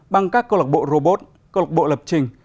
bằng các câu lạc bộ robot câu lạc bộ lập trình